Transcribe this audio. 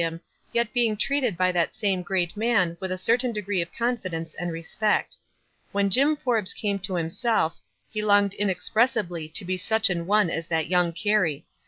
him, yet being treated by that same great man with a certain degree of confi dence and respect. When Jim came to himself, ho Ion. ;pressibly to be such an one as that young Cai y.